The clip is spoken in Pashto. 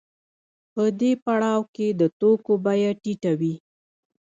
په دې پړاو کې د توکو بیه ټیټه وي